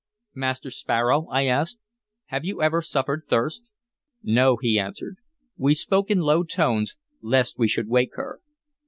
"Master Sparrow," I asked, "have you ever suffered thirst?" "No," he answered. We spoke in low tones, lest we should wake her.